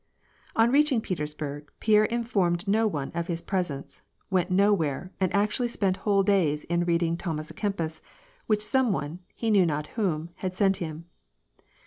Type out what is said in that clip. Oir reaching Petersburg, Pierre informed no one of his pres ence, went nowhere, and actually spent whole days in reading Thomas k Kempis, which some one — he knew not whom — had sent him.